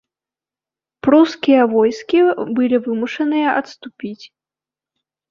Прускія войскі былі вымушаныя адступіць.